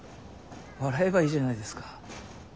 笑えばいいじゃないですか。